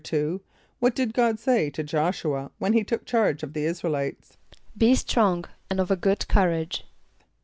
= What did God say to J[)o]sh´u [.a] when he took charge of the [)I][s+]´ra el [=i]tes? ="Be strong and of a good courage."